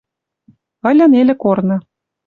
Ыльы нелӹ корны